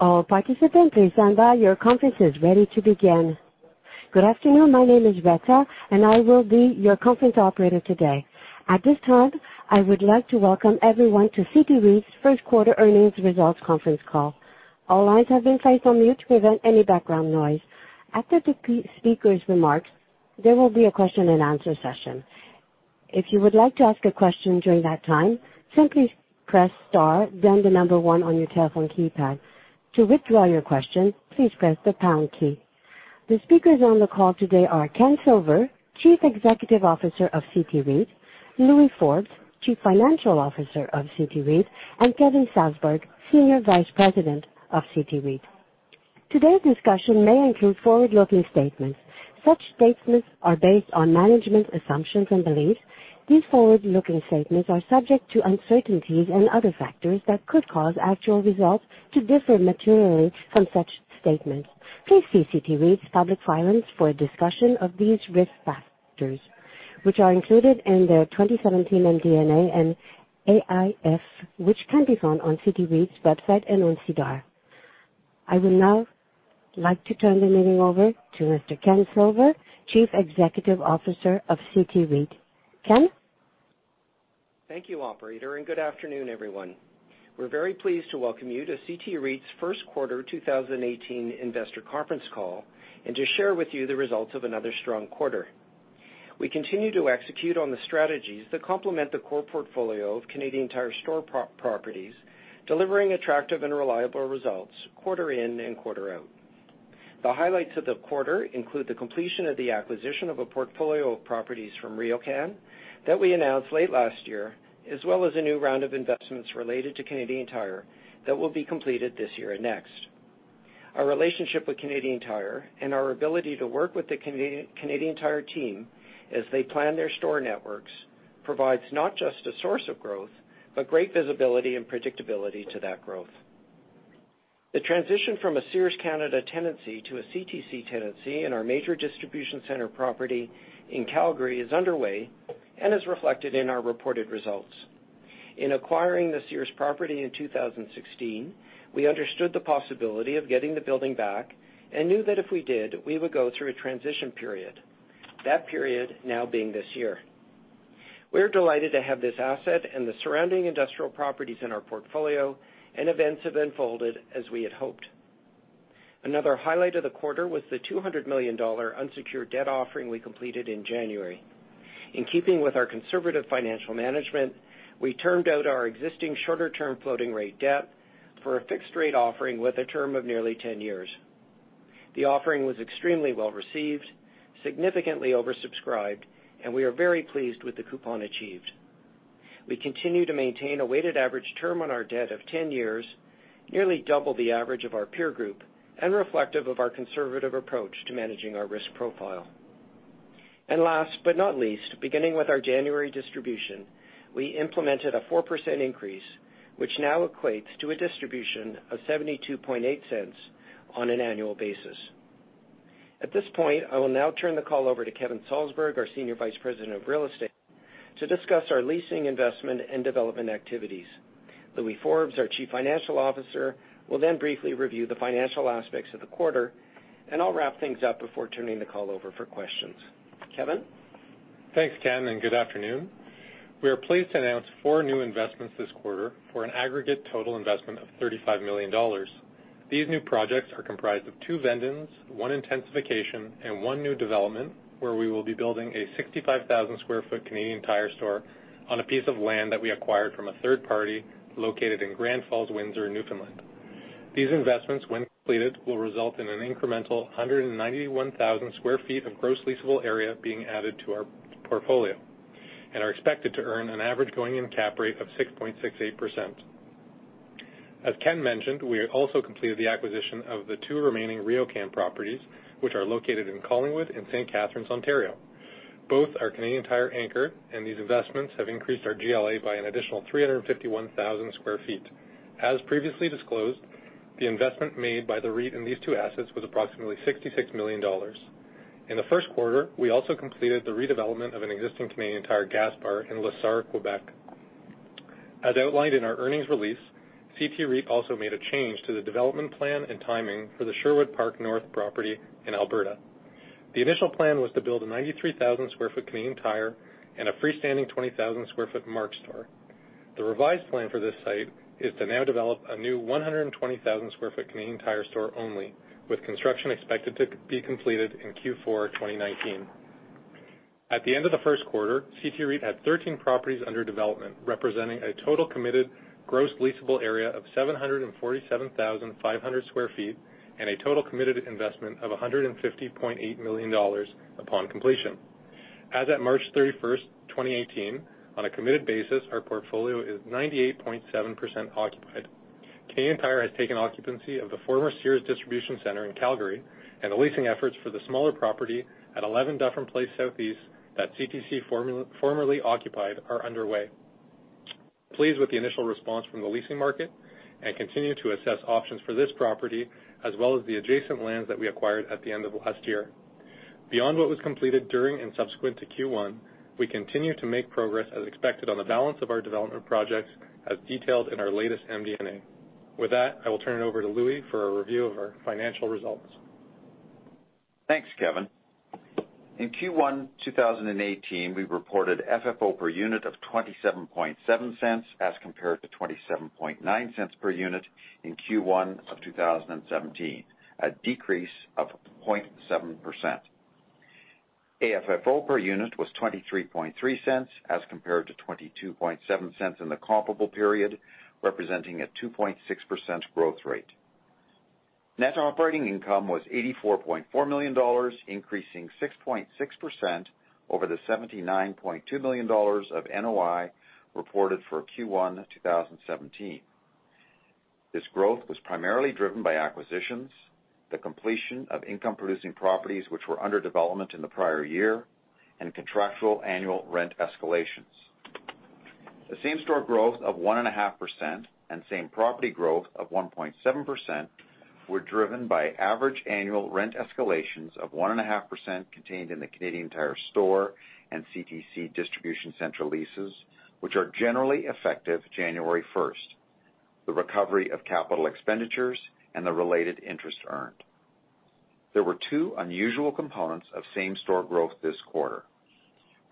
All participants, please stand by. Your conference is ready to begin. Good afternoon. My name is Veta, and I will be your conference operator today. At this time, I would like to welcome everyone to CT REIT's first quarter earnings results conference call. All lines have been placed on mute to prevent any background noise. After the speakers' remarks, there will be a question and answer session. If you would like to ask a question during that time, simply press star then 1 on your telephone keypad. To withdraw your question, please press the pound key. The speakers on the call today are Ken Silver, Chief Executive Officer of CT REIT, Louis Forbes, Chief Financial Officer of CT REIT, and Kevin Salsberg, Senior Vice President of CT REIT. Today's discussion may include forward-looking statements. Such statements are based on management assumptions and beliefs. These forward-looking statements are subject to uncertainties and other factors that could cause actual results to differ materially from such statements. Please see CT REIT's public filings for a discussion of these risk factors, which are included in the 2017 MD&A and AIF, which can be found on CT REIT's website and on SEDAR. I would now like to turn the meeting over to Mr. Ken Silver, Chief Executive Officer of CT REIT. Ken? Thank you, operator. Good afternoon, everyone. We're very pleased to welcome you to CT REIT's first quarter 2018 investor conference call and to share with you the results of another strong quarter. We continue to execute on the strategies that complement the core portfolio of Canadian Tire store properties, delivering attractive and reliable results quarter in and quarter out. The highlights of the quarter include the completion of the acquisition of a portfolio of properties from RioCan that we announced late last year, as well as a new round of investments related to Canadian Tire that will be completed this year and next. Our relationship with Canadian Tire and our ability to work with the Canadian Tire team as they plan their store networks provides not just a source of growth, but great visibility and predictability to that growth. The transition from a Sears Canada tenancy to a CTC tenancy in our major distribution center property in Calgary is underway and is reflected in our reported results. In acquiring the Sears property in 2016, we understood the possibility of getting the building back and knew that if we did, we would go through a transition period, that period now being this year. We are delighted to have this asset and the surrounding industrial properties in our portfolio. Events have unfolded as we had hoped. Another highlight of the quarter was the 200 million dollar unsecured debt offering we completed in January. In keeping with our conservative financial management, we turned out our existing shorter-term floating rate debt for a fixed-rate offering with a term of nearly 10 years. The offering was extremely well-received, significantly oversubscribed. We are very pleased with the coupon achieved. We continue to maintain a weighted average term on our debt of 10 years, nearly double the average of our peer group, and reflective of our conservative approach to managing our risk profile. Last but not least, beginning with our January distribution, we implemented a 4% increase, which now equates to a distribution of 0.728 on an annual basis. At this point, I will now turn the call over to Kevin Salsberg, our Senior Vice President of Real Estate, to discuss our leasing investment and development activities. Louis Forbes, our Chief Financial Officer, will then briefly review the financial aspects of the quarter, I'll wrap things up before turning the call over for questions. Kevin? Thanks, Ken, and good afternoon. We are pleased to announce four new investments this quarter for an aggregate total investment of 35 million dollars. These new projects are comprised of two vendons, one intensification, and one new development where we will be building a 65,000 sq ft Canadian Tire store on a piece of land that we acquired from a third party located in Grand Falls-Windsor, Newfoundland. These investments, when completed, will result in an incremental 191,000 sq ft of gross leasable area being added to our portfolio and are expected to earn an average going-in cap rate of 6.68%. As Ken mentioned, we also completed the acquisition of the two remaining RioCan properties, which are located in Collingwood and St. Catharines, Ontario. Both are Canadian Tire-anchored, and these investments have increased our GLA by an additional 351,000 sq ft. As previously disclosed, the investment made by the REIT in these two assets was approximately 66 million dollars. In the first quarter, we also completed the redevelopment of an existing Canadian Tire Gas+ in La Sarre, Quebec. As outlined in our earnings release, CT REIT also made a change to the development plan and timing for the Sherwood Park North property in Alberta. The initial plan was to build a 93,000 sq ft Canadian Tire and a freestanding 20,000 sq ft Mark's store. The revised plan for this site is to now develop a new 120,000 sq ft Canadian Tire store only, with construction expected to be completed in Q4 2019. At the end of the first quarter, CT REIT had 13 properties under development, representing a total committed gross leasable area of 747,500 sq ft and a total committed investment of 150.8 million dollars upon completion. As at March 31st, 2018, on a committed basis, our portfolio is 98.7% occupied. Canadian Tire has taken occupancy of the former Sears distribution center in Calgary, and the leasing efforts for the smaller property at 11 Dufferin Place Southeast that CTC formerly occupied are underway. We're pleased with the initial response from the leasing market and continue to assess options for this property as well as the adjacent lands that we acquired at the end of last year. Beyond what was completed during and subsequent to Q1, we continue to make progress as expected on the balance of our development projects as detailed in our latest MD&A. With that, I will turn it over to Louis for a review of our financial results. Thanks, Kevin. In Q1 2018, we reported FFO per unit of 0.277 as compared to 0.279 per unit in Q1 of 2017, a decrease of 0.7%. AFFO per unit was 0.233 as compared to 0.227 in the comparable period, representing a 2.6% growth rate. Net operating income was 84.4 million dollars, increasing 6.6% over the 79.2 million dollars of NOI reported for Q1 2017. This growth was primarily driven by acquisitions, the completion of income-producing properties which were under development in the prior year, and contractual annual rent escalations. The same-store growth of 1.5% and same-property growth of 1.7% were driven by average annual rent escalations of 1.5% contained in the Canadian Tire store and CTC distribution center leases, which are generally effective January 1st, the recovery of capital expenditures, and the related interest earned. There were two unusual components of same-store growth this quarter.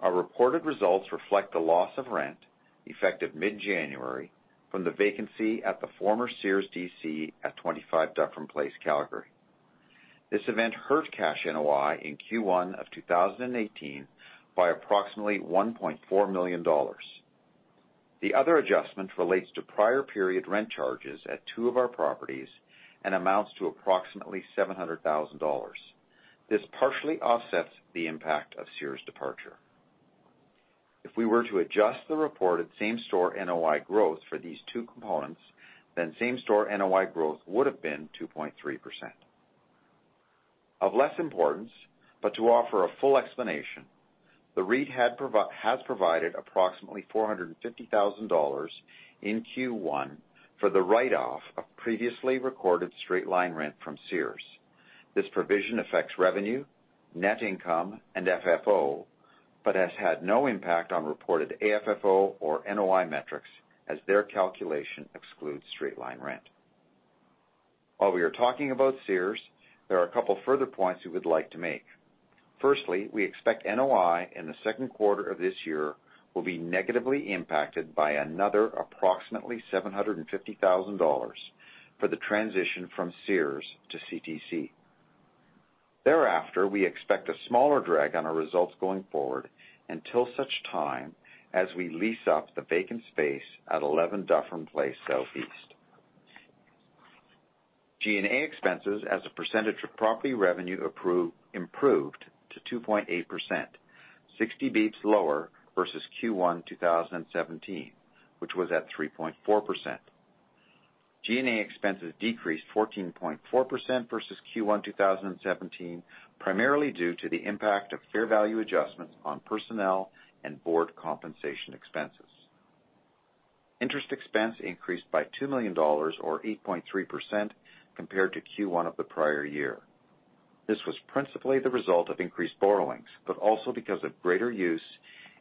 Our reported results reflect the loss of rent effective mid-January from the vacancy at the former Sears DC at 25 Dufferin Place, Calgary. This event hurt cash NOI in Q1 of 2018 by approximately 1.4 million dollars. The other adjustment relates to prior period rent charges at two of our properties and amounts to approximately 700,000 dollars. This partially offsets the impact of Sears' departure. If we were to adjust the reported same-store NOI growth for these two components, same-store NOI growth would have been 2.3%. Of less importance, but to offer a full explanation, the REIT has provided approximately 450,000 dollars in Q1 for the write-off of previously recorded straight-line rent from Sears. This provision affects revenue, net income, and FFO, but has had no impact on reported AFFO or NOI metrics as their calculation excludes straight-line rent. While we are talking about Sears, there are a couple of further points we would like to make. Firstly, we expect NOI in the second quarter of this year will be negatively impacted by another approximately 750,000 dollars for the transition from Sears to CTC. Thereafter, we expect a smaller drag on our results going forward until such time as we lease up the vacant space at 11 Dufferin Place Southeast. G&A expenses as a percentage of property revenue improved to 2.8%, 60 basis points lower versus Q1 2017, which was at 3.4%. G&A expenses decreased 14.4% versus Q1 2017, primarily due to the impact of fair value adjustments on personnel and board compensation expenses. Interest expense increased by 2 million dollars, or 8.3%, compared to Q1 of the prior year. This was principally the result of increased borrowings, also because of greater use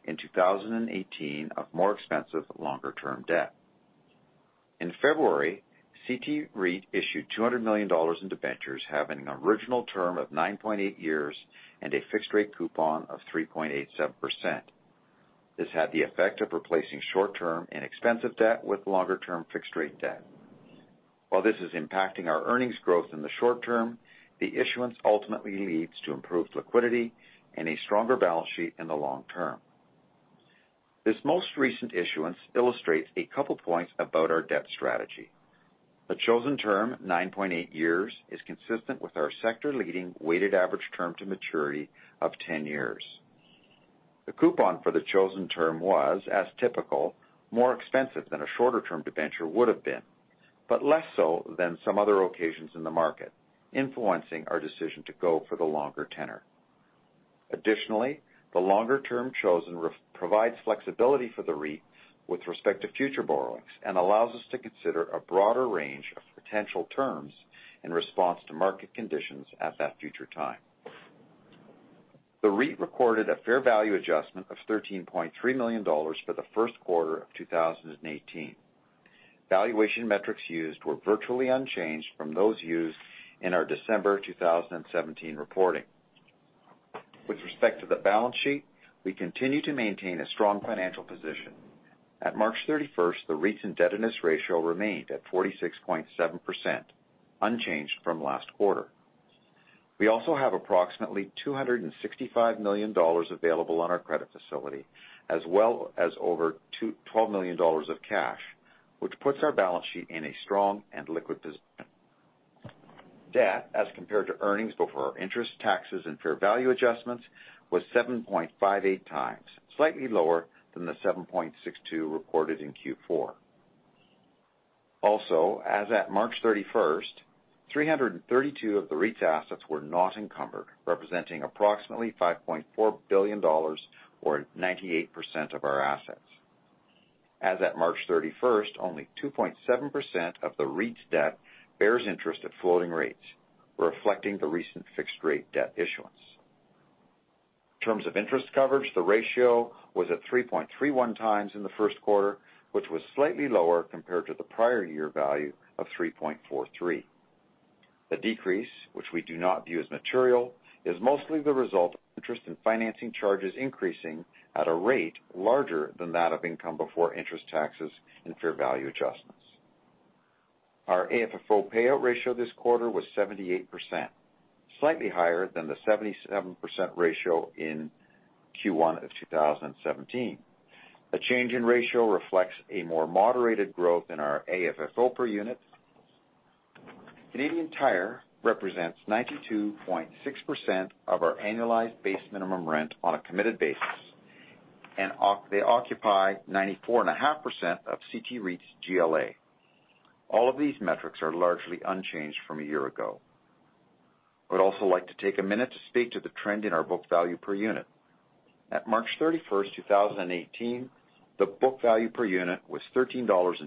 in 2018 of more expensive, longer-term debt. In February, CT REIT issued 200 million dollars in debentures having an original term of 9.8 years and a fixed rate coupon of 3.87%. This had the effect of replacing short-term inexpensive debt with longer-term fixed rate debt. While this is impacting our earnings growth in the short term, the issuance ultimately leads to improved liquidity and a stronger balance sheet in the long term. This most recent issuance illustrates a couple points about our debt strategy. The chosen term, 9.8 years, is consistent with our sector leading weighted average term to maturity of 10 years. The coupon for the chosen term was, as typical, more expensive than a shorter term debenture would have been, less so than some other occasions in the market, influencing our decision to go for the longer tenor. Additionally, the longer term chosen provides flexibility for the REIT with respect to future borrowings and allows us to consider a broader range of potential terms in response to market conditions at that future time. The REIT recorded a fair value adjustment of 13.3 million dollars for the first quarter of 2018. Valuation metrics used were virtually unchanged from those used in our December 2017 reporting. With respect to the balance sheet, we continue to maintain a strong financial position. At March 31st, the REIT's indebtedness ratio remained at 46.7%, unchanged from last quarter. We also have approximately 265 million dollars available on our credit facility, as well as over 12 million dollars of cash, which puts our balance sheet in a strong and liquid position. Debt, as compared to earnings before interest, taxes, and fair value adjustments, was 7.58 times, slightly lower than the 7.62 reported in Q4. As at March 31st, 332 of the REIT's assets were not encumbered, representing approximately 5.4 billion dollars, or 98% of our assets. As at March 31st, only 2.7% of the REIT's debt bears interest at floating rates, reflecting the recent fixed rate debt issuance. In terms of interest coverage, the ratio was at 3.31 times in the first quarter, which was slightly lower compared to the prior year value of 3.43. The decrease, which we do not view as material, is mostly the result of interest in financing charges increasing at a rate larger than that of income before interest, taxes, and fair value adjustments. Our AFFO payout ratio this quarter was 78%, slightly higher than the 77% ratio in Q1 of 2017. A change in ratio reflects a more moderated growth in our AFFO per unit. Canadian Tire represents 92.6% of our annualized base minimum rent on a committed basis. They occupy 94.5% of CT REIT's GLA. All of these metrics are largely unchanged from a year ago. I would also like to take a minute to speak to the trend in our book value per unit. At March 31st, 2018, the book value per unit was 13.54 dollars,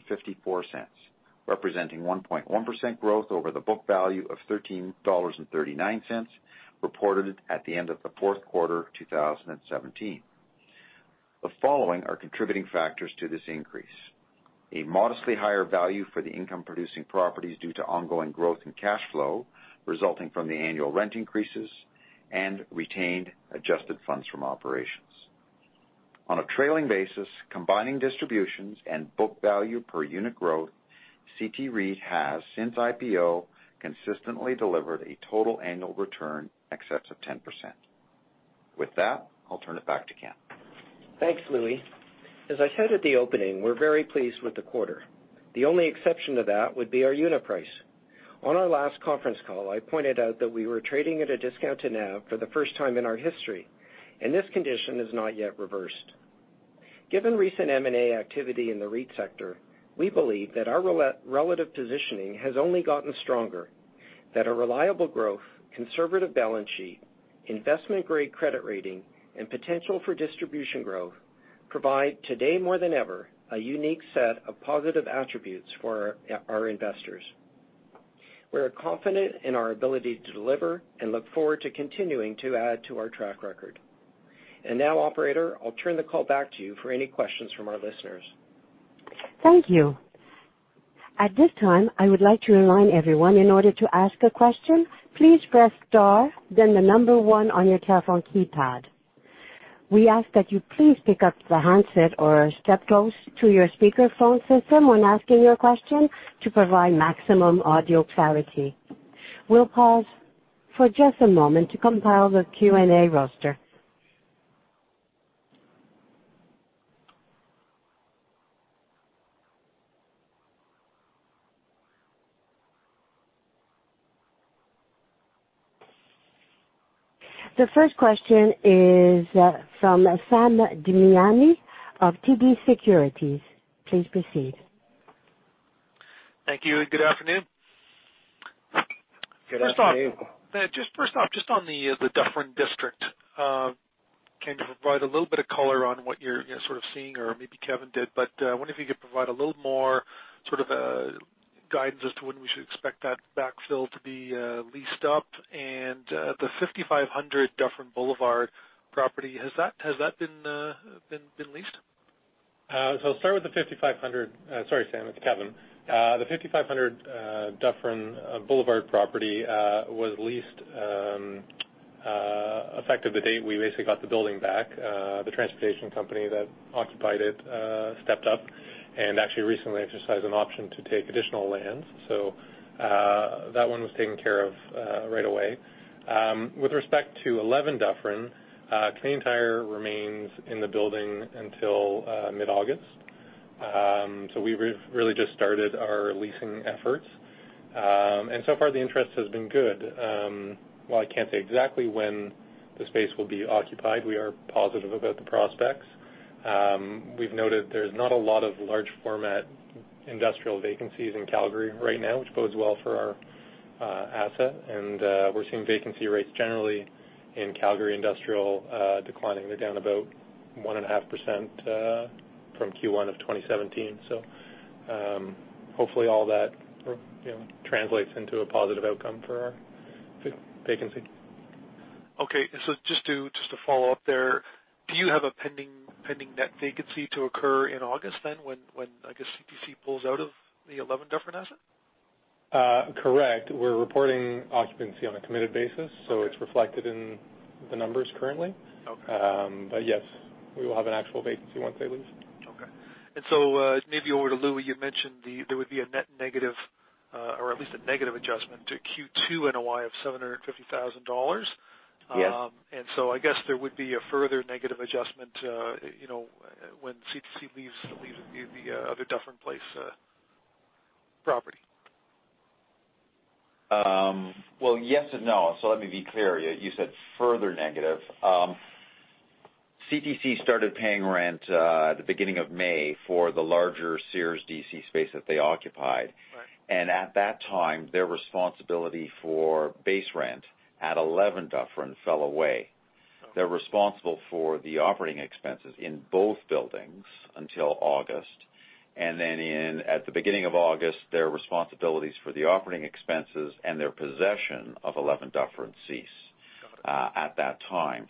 representing 1.1% growth over the book value of 13.39 dollars, reported at the end of the fourth quarter 2017. The following are contributing factors to this increase. A modestly higher value for the income-producing properties due to ongoing growth in cash flow, resulting from the annual rent increases and retained adjusted funds from operations. On a trailing basis, combining distributions and book value per unit growth, CT REIT has, since IPO, consistently delivered a total annual return in excess of 10%. With that, I'll turn it back to Ken. Thanks, Louis. As I said at the opening, we're very pleased with the quarter. The only exception to that would be our unit price. On our last conference call, I pointed out that we were trading at a discount to NAV for the first time in our history. This condition is not yet reversed. Given recent M&A activity in the REIT sector, we believe that our relative positioning has only gotten stronger. That a reliable growth, conservative balance sheet, investment-grade credit rating, and potential for distribution growth provide, today more than ever, a unique set of positive attributes for our investors. We're confident in our ability to deliver and look forward to continuing to add to our track record. Now, operator, I'll turn the call back to you for any questions from our listeners. Thank you. At this time, I would like to remind everyone, in order to ask a question, please press star then the number 1 on your telephone keypad. We ask that you please pick up the handset or step close to your speakerphone system when asking your question to provide maximum audio clarity. We'll pause for just a moment to compile the Q&A roster. The first question is from Sam Damiani of TD Securities. Please proceed. Thank you. Good afternoon. Good afternoon. First off, on the Dufferin Street. Can you provide a little bit of color on what you're sort of seeing, or maybe Kevin did, but I wonder if you could provide a little more sort of guidance as to when we should expect that backfill to be leased up and the 5500 Dufferin Boulevard property. Has that been leased? I'll start with the 5500. Sorry, Sam. It's Kevin. The 5500 Dufferin Boulevard property was leased effective the date we basically got the building back. The transportation company that occupied it stepped up and actually recently exercised an option to take additional land. That one was taken care of right away. With respect to 11 Dufferin, Canadian Tire remains in the building until mid-August. We've really just started our leasing efforts. So far, the interest has been good. While I can't say exactly when the space will be occupied, we are positive about the prospects. We've noted there's not a lot of large format industrial vacancies in Calgary right now, which bodes well for our asset. We're seeing vacancy rates generally in Calgary industrial declining. They're down about 1.5% from Q1 of 2017. Hopefully all that translates into a positive outcome for our vacancy. Okay. Just to follow up there, do you have a pending net vacancy to occur in August then when, I guess, CTC pulls out of the 11 Dufferin asset? Correct. We're reporting occupancy on a committed basis. Okay. It's reflected in the numbers currently. Okay. Yes, we will have an actual vacancy once they leave. Okay. Maybe over to Louis, you mentioned there would be a net negative, or at least a negative adjustment to Q2 NOI of 750,000 dollars. Yes. I guess there would be a further negative adjustment when CTC leaves the other Dufferin Place property. Well, yes and no. Let me be clear. You said further negative. CTC started paying rent at the beginning of May for the larger Sears DC space that they occupied. Right. At that time, their responsibility for base rent at 11 Dufferin fell away. They're responsible for the operating expenses in both buildings until August. Then at the beginning of August, their responsibilities for the operating expenses and their possession of 11 Dufferin cease at that time.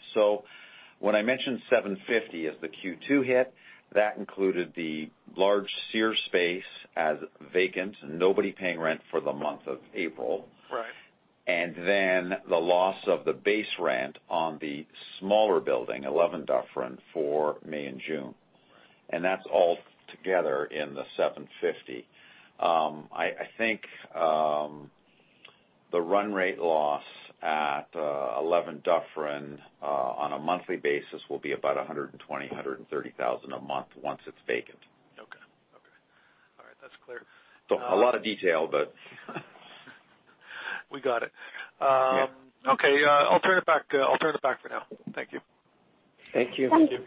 When I mentioned 750 as the Q2 hit, that included the large Sears space as vacant, nobody paying rent for the month of April. Right. Then the loss of the base rent on the smaller building, 11 Dufferin, for May and June. That's all together in the 750. I think the run rate loss at 11 Dufferin, on a monthly basis, will be about 120,000, 130,000 a month once it's vacant. Okay. All right. That's clear. A lot of detail, but We got it. Yeah. Okay. I'll turn it back for now. Thank you. Thank you. Thank you.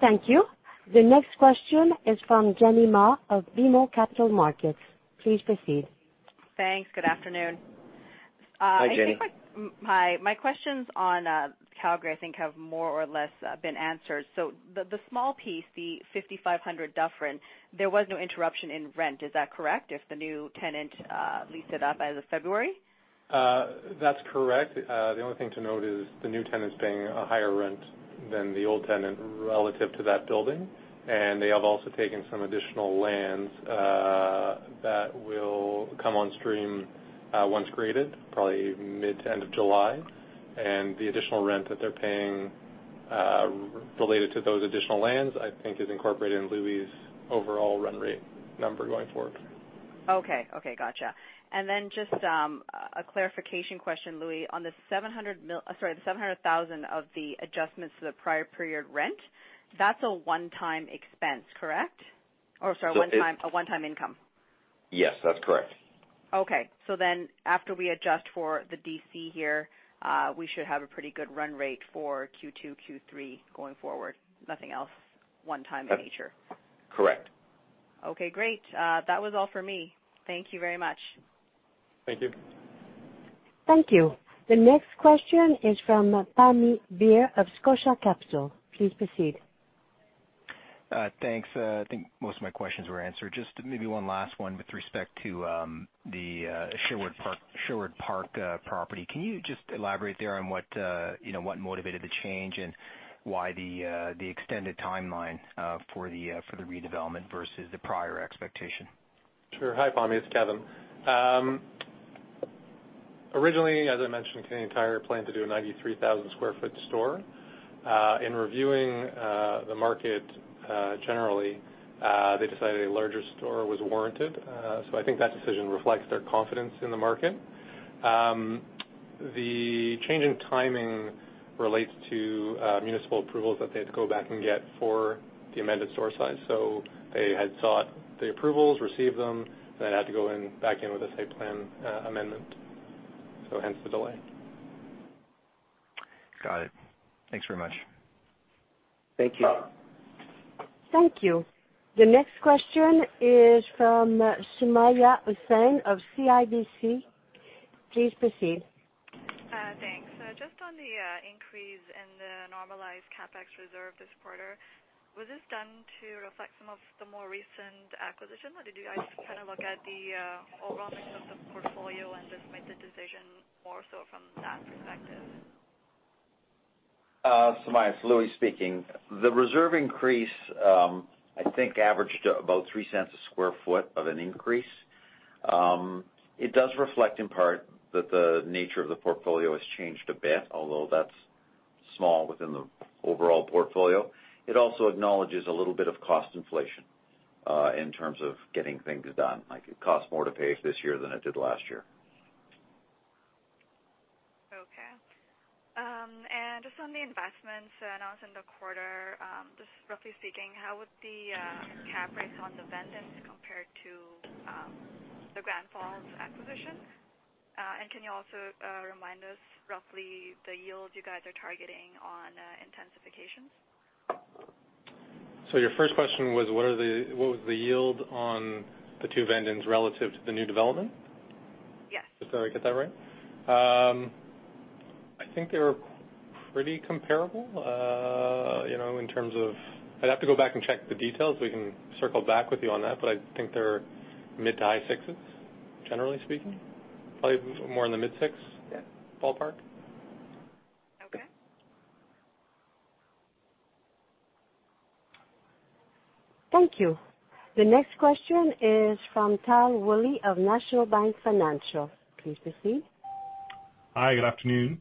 Thank you. The next question is from Jenny Ma of BMO Capital Markets. Please proceed. Thanks. Good afternoon. Hi, Jenny. Hi. My questions on Calgary I think have more or less been answered. The small piece, the 5,500 Dufferin, there was no interruption in rent, is that correct? If the new tenant leased it up as of February. That's correct. The only thing to note is the new tenant's paying a higher rent than the old tenant relative to that building, and they have also taken some additional lands that will come on stream once graded, probably mid to end of July. The additional rent that they're paying related to those additional lands, I think is incorporated in Louis' overall run rate number going forward. Okay. Gotcha. Then just a clarification question, Louis. On the 700,000 of the adjustments to the prior period rent, that's a one-time expense, correct? Or, sorry, a one-time income. Yes, that's correct. Okay. After we adjust for the DC here, we should have a pretty good run rate for Q2, Q3 going forward. Nothing else one-time in nature. Correct. Okay, great. That was all for me. Thank you very much. Thank you. Thank you. The next question is from Pammi Bir of Scotia Capital. Please proceed. Thanks. I think most of my questions were answered. Just maybe one last one with respect to the Sherwood Park property. Can you just elaborate there on what motivated the change and why the extended timeline for the redevelopment versus the prior expectation? Sure. Hi, Pammi, it's Kevin. Originally, as I mentioned, Canadian Tire planned to do a 93,000 square foot store. In reviewing the market generally, they decided a larger store was warranted. I think that decision reflects their confidence in the market. The change in timing relates to municipal approvals that they had to go back and get for the amended store size. They had sought the approvals, received them, then had to go back in with a site plan amendment. Hence the delay. Got it. Thanks very much. Thank you. Thank you. The next question is from Sumayya Syed of CIBC. Please proceed. Thanks. Just on the increase in the normalized CapEx reserve this quarter, was this done to reflect some of the more recent acquisition, or did you guys kind of look at the overall mix of the portfolio and just made the decision more so from that perspective? Sumayya, it's Louis speaking. The reserve increase, I think averaged about 0.03 a sq ft of an increase. It does reflect in part that the nature of the portfolio has changed a bit, although that's small within the overall portfolio. It also acknowledges a little bit of cost inflation, in terms of getting things done, like it costs more to pay this year than it did last year. Okay. Just on the investments announced in the quarter, just roughly speaking, how would the cap rates on the vendons compare to the Grand Falls acquisition? Can you also remind us roughly the yield you guys are targeting on intensifications? Your first question was, what was the yield on the two vendons relative to the new development? Yes. Did I get that right? I think they were pretty comparable, in terms of I'd have to go back and check the details. We can circle back with you on that, but I think they're mid to high sixes, generally speaking. Probably more in the mid six ballpark. Okay. Thank you. The next question is from Tal Woolley of National Bank Financial. Please proceed. Hi, good afternoon.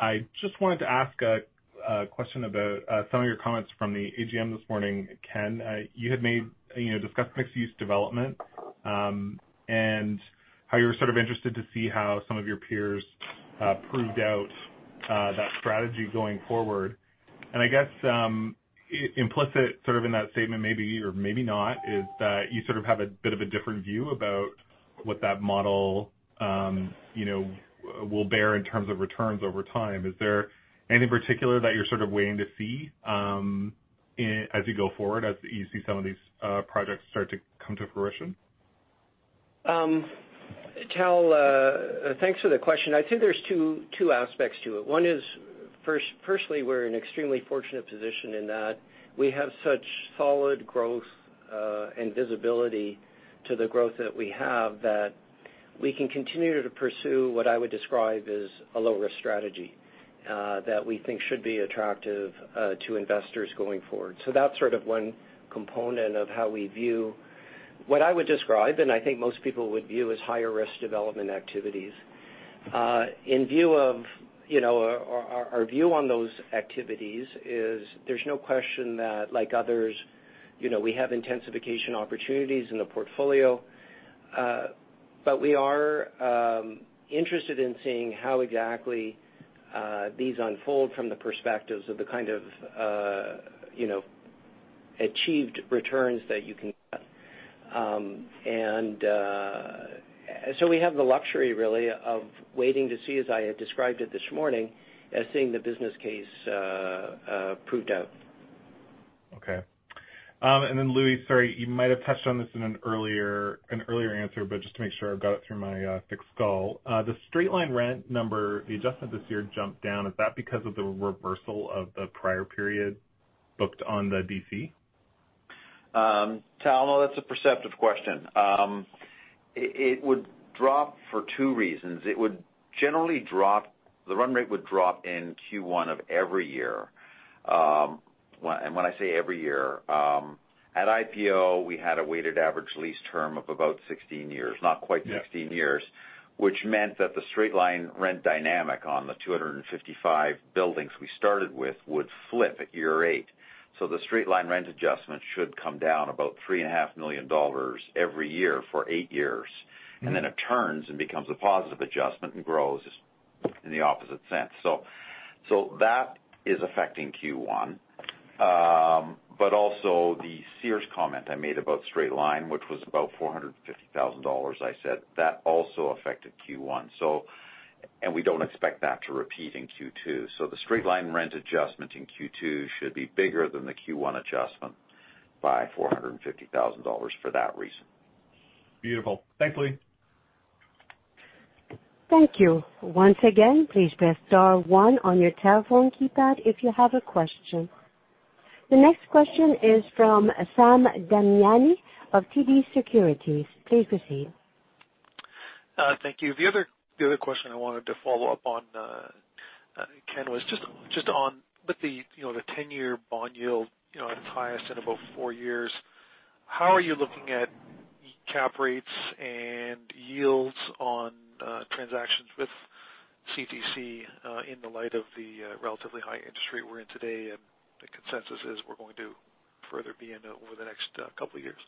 I just wanted to ask a question about some of your comments from the AGM this morning, Ken. You had discussed mixed-use development, and how you were sort of interested to see how some of your peers proved out that strategy going forward. I guess, implicit sort of in that statement, maybe or maybe not, is that you sort of have a bit of a different view about what that model will bear in terms of returns over time. Is there any particular that you're sort of waiting to see as you go forward, as you see some of these projects start to come to fruition? Tal, thanks for the question. I think there's two aspects to it. One is, firstly, we're in extremely fortunate position in that we have such solid growth, and visibility to the growth that we have, that we can continue to pursue what I would describe as a low-risk strategy, that we think should be attractive to investors going forward. That's one component of how we view what I would describe, and I think most people would view as higher risk development activities. Our view on those activities is, there's no question that like others, we have intensification opportunities in the portfolio. We are interested in seeing how exactly these unfold from the perspectives of the kind of achieved returns that you can get. We have the luxury, really, of waiting to see, as I had described it this morning, as seeing the business case proved out. Okay. Louis, sorry, you might have touched on this in an earlier answer, but just to make sure I've got it through my thick skull. The straight-line rent number, the adjustment this year jumped down. Is that because of the reversal of the prior period booked on the DC? Tal, no, that's a perceptive question. It would drop for two reasons. It would generally drop, the run rate would drop in Q1 of every year. When I say every year, at IPO, we had a weighted average lease term of about 16 years, not quite 16 years. Yeah. Which meant that the straight-line rent dynamic on the 255 buildings we started with would flip at year eight. The straight-line rent adjustment should come down about 3.5 million dollars every year for eight years. It turns and becomes a positive adjustment and grows in the opposite sense. That is affecting Q1. Also the Sears comment I made about straight line, which was about 450,000 dollars, I said. That also affected Q1. We don't expect that to repeat in Q2. The straight-line rent adjustment in Q2 should be bigger than the Q1 adjustment by 450,000 dollars for that reason. Beautiful. Thanks, Louis. Thank you. Once again, please press star one on your telephone keypad if you have a question. The next question is from Sam Damiani of TD Securities. Please proceed. Thank you. The other question I wanted to follow up on, Ken, was just on with the 10-year bond yield at its highest in about four years. How are you looking at cap rates and yields on transactions with CTC in the light of the relatively high interest rate we're in today, and the consensus is we're going to further be in over the next couple of years?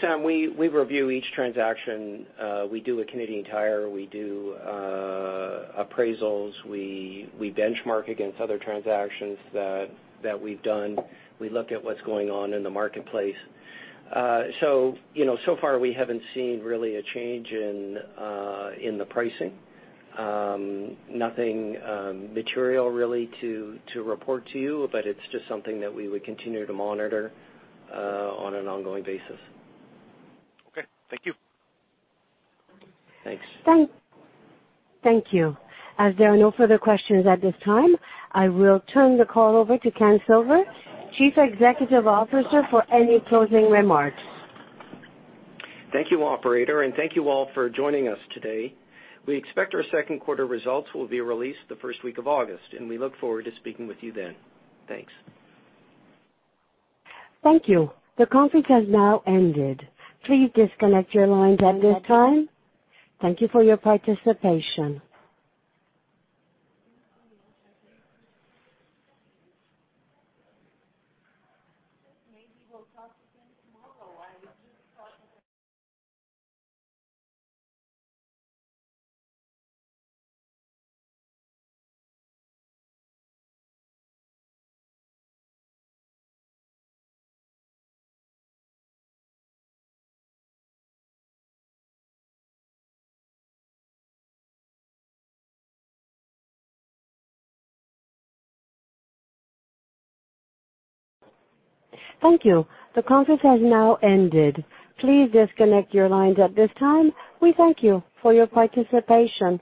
Sam, we review each transaction. We do a Canadian Tire. We do appraisals. We benchmark against other transactions that we've done. We look at what's going on in the marketplace. So far we haven't seen, really, a change in the pricing. Nothing material, really, to report to you, but it's just something that we would continue to monitor on an ongoing basis. Okay. Thank you. Thanks. Thank you. As there are no further questions at this time, I will turn the call over to Ken Silver, Chief Executive Officer, for any closing remarks. Thank you, operator. Thank you all for joining us today. We expect our second quarter results will be released the first week of August, and we look forward to speaking with you then. Thanks. Thank you. The conference has now ended. Please disconnect your lines at this time. We thank you for your participation.